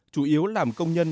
chủ yếu làm công nhân